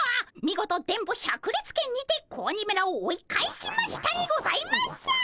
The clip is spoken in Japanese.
見事電ボ百裂拳にて子鬼めらを追い返しましたにございますっ！